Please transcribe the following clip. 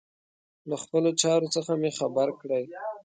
له خپلو چارو څخه مي خبر کړئ.